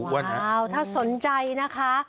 ว้าวถ้าสนใจนะคะ